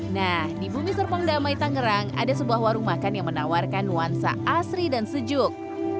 nah di bumi serpang damai tangerang ada sebuah warung makan yang menawarkan nuansa asri dan sejuk